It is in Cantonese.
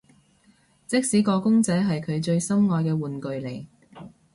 即使個公仔係佢最心愛嘅玩具嚟